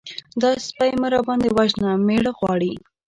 _دا سپۍ مه راباندې وژنه! مېړه غواړي.